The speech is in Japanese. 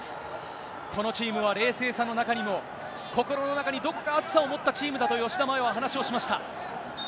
このチームは冷静さの中にも、心の中にどこか熱さを持ったチームだと、吉田麻也は話をしました。